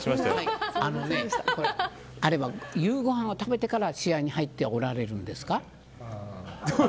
あれは夕御飯を食べてから試合に入っておられるんですか。